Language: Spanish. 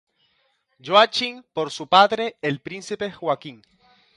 Joachim por su padre, el príncipe Joaquín.